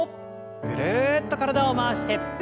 ぐるっと体を回して。